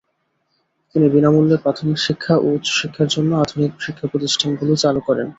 তিনি বিনামূল্যে প্রাথমিক শিক্ষা ও উচ্চশিক্ষার জন্য আধুনিক শিক্ষাপ্রতিষ্ঠানগুলি চালু করেন।